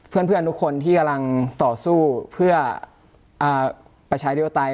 เพื่อนทุกคนที่กำลังต่อสู้เพื่อประชาธิปไตย